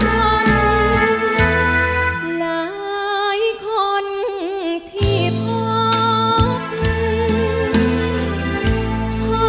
หลายคนที่ภาพลืม